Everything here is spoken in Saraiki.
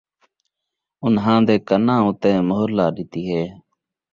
اُنھاں دے کَناں اَتے مُہر لا ݙِتی ہے۔